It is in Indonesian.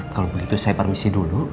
kalau begitu saya permisi dulu